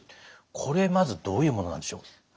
これまずどういうものなんでしょう？